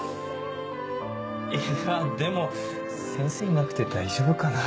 いやでも先生いなくて大丈夫かな？